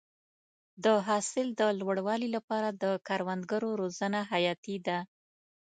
د حاصل د لوړوالي لپاره د کروندګرو روزنه حیاتي ده.